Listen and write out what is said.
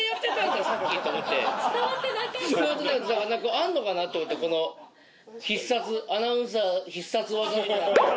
あんのかなと思って必殺アナウンサー必殺技みたいな。